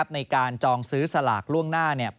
ในการจองซื้อสลากล่วงหน้า